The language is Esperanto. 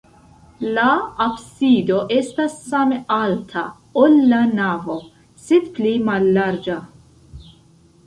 La absido estas same alta, ol la navo, sed pli mallarĝa.